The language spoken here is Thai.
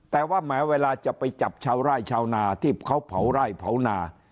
แต่ว่าแม้เวลาจะไปจับชาวไร่ชาวนาที่เขาเผาไร่เผานา